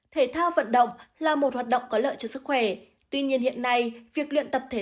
thể thao vận động là một hoạt động có lợi cho sức khỏe tuy nhiên hiện nay việc luyện tập thể